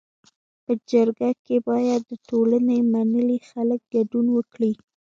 په جرګه کي باید د ټولني منلي خلک ګډون وکړي.